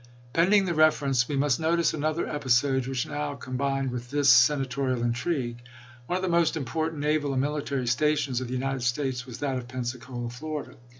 Pending the reference, we must notice another episode which now combined itself with this Sena torial intrigue. One of the most important naval and military stations of the United States was that of Pensacola, Florida.